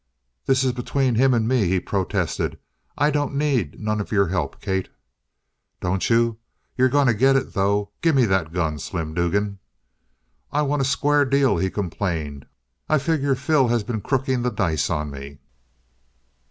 "This is between him and me," he protested. "I don't need none of your help, Kate." "Don't you? You're going to get it, though. Gimme that gun, Slim Dugan!" "I want a square deal," he complained. "I figure Phil has been crooking the dice on me."